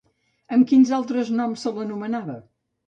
Amb quins altres noms se l'anomenava?